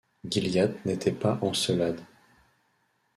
Gilliatt n’était pas Encelade.